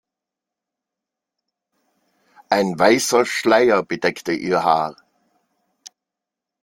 Ein weißer Schleier bedeckte ihr Haar.